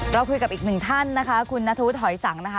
เราคุยกับอีกหนึ่งท่านนะคะคุณนัทธวุฒหอยสังนะคะ